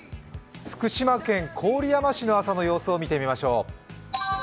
福島県郡山市の朝の様子を見てみましょう。